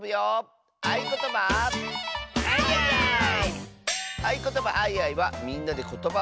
「あいことばあいあい」はみんなでことばをあわせるあそび！